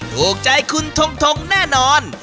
ถูกใจคุณทงทงแน่นอน